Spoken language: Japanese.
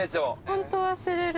ホント忘れる。